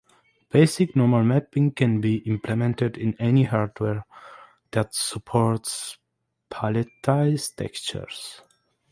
Basic normal mapping can be implemented in any hardware that supports palletized textures.